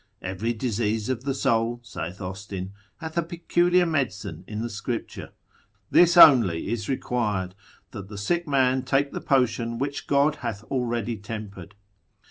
Every disease of the soul, saith Austin, hath a peculiar medicine in the Scripture; this only is required, that the sick man take the potion which God hath already tempered.